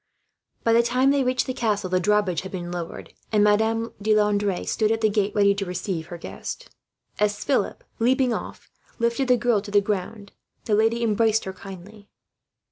By the time they reached the castle the drawbridge had been lowered; and Madame de Landres stood at the gate, ready to receive her guest. As Philip, leaping off, lifted the girl to the ground, the lady embraced her kindly.